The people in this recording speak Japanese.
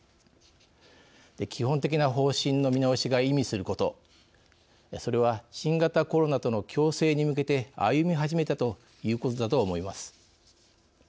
基本的な方針の見直しが意味すること、それは新型コロナとの共生に向けて歩み始めたということだと思います。